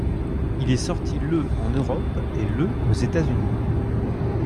Il est sorti le en Europe et le aux États-Unis.